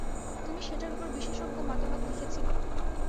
তুমি সেটার ওপর বিশেষজ্ঞ মতামত লিখেছিলে।